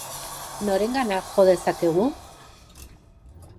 Norengana jo dezakegu?